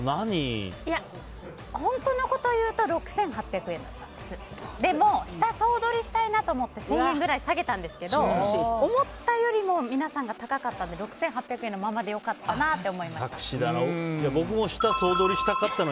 本当のことを言うと６８００円だったんですでも下総取りしたいなと思って１０００円ぐらい下げたんですけど、思ったよりも皆さんが高かったので６８００円のままでいただき！